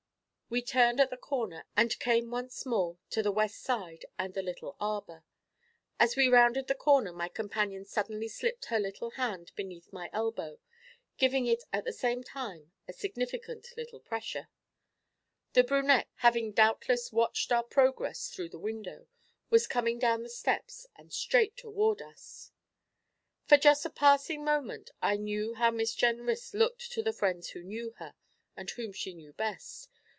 We turned at the corner, and came once more to the west side and the little arbour. As we rounded the corner my companion suddenly slipped her little hand beneath my elbow, giving it at the same time a significant little pressure. The brunette, having doubtless watched our progress through the window, was coming down the steps and straight toward us. For just a passing moment I knew how Miss Jenrys looked to the friends who knew her, and whom she knew best.